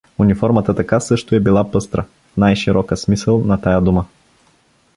Униформата така също е била пъстра, в най-широка смисъл на тая дума.